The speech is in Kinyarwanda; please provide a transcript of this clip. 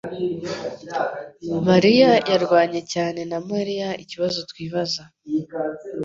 mariya yarwanye cyane na Mariya ikibazo twibaza